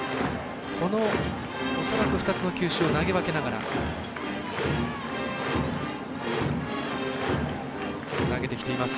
この恐らく２つの球種を投げ分けながら投げてきています。